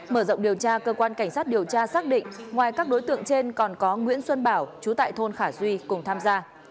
mở rộng điều tra cơ quan cảnh sát điều tra xác định ngoài các đối tượng trên còn có nguyễn xuân bảo chú tại thôn khả duy cùng tham gia